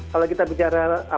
kalau kita bicara apa